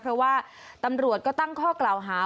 เพราะว่าตำรวจก็ตั้งข้อกล่าวหา